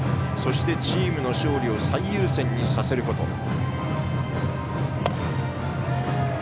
そして、チームの勝利を最優先にさせること。